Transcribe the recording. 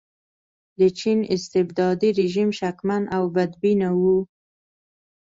د چین استبدادي رژیم شکمن او بدبینه و.